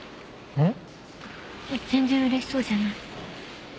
全然うれしそうじゃない。